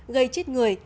gây chết người